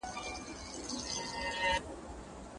ستاسو اخلاق او درنښت بې ارزښته نه دی.